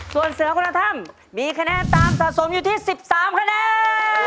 ส่วนเสือกลุ่นธรรมมีคะแนนตามสะสมอยู่ที่สิบสามคะแนน